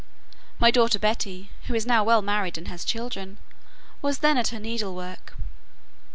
My daughter Betty (who is now well married, and has children) was then at her needlework.